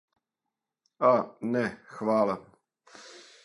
А, не, хвала.